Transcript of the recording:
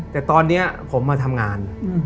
แต่ตอนนี้ผมมาทำงาน